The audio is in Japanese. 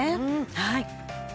はい。